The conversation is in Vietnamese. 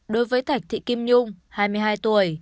đối với thạch thị kim nhung hai mươi hai tuổi